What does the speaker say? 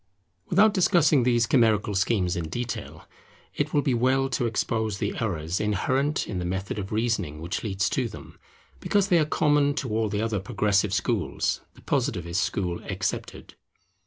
Without discussing these chimerical schemes in detail, it will be well to expose the errors inherent in the method of reasoning which leads to them, because they are common to all the other progressive schools, the Positivist school excepted.